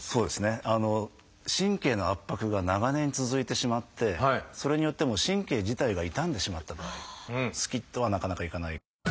神経の圧迫が長年続いてしまってそれによってもう神経自体が傷んでしまった場合スキッとはなかなかいかない。